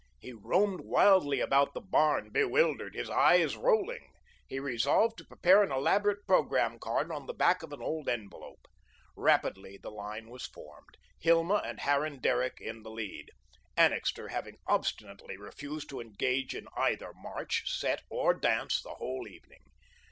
He roamed wildly about the barn, bewildered, his eyes rolling. He resolved to prepare an elaborate programme card on the back of an old envelope. Rapidly the line was formed, Hilma and Harran Derrick in the lead, Annixter having obstinately refused to engage in either march, set or dance the whole evening.